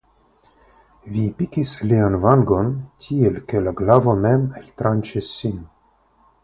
Vi pikis lian vangon, tiel ke la glavo mem eltranĉis sin.